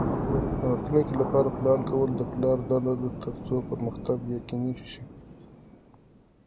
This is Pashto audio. د راتلونکي لپاره پلان کول د پلار دنده ده ترڅو پرمختګ یقیني شي.